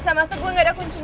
zaman itu gak ada apa apa pint